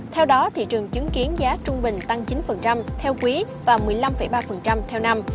theo đó thị trường chứng kiến giá trung bình tăng chín theo quý và một mươi năm ba theo năm